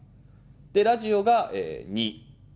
で、ラジオが２。